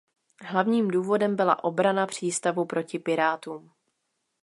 Hlavním důvodem byla obrana přístavu proti pirátům.